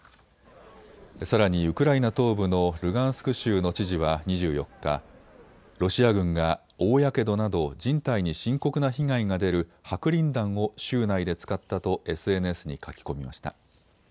さらにウクライナ東部のルガンスク州の知事は２４日、ロシア軍が大やけどなど人体に深刻な被害が出る白リン弾を州内で使ったとＳＮＳに書き込みました。